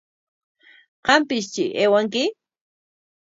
Qampistri aywanki.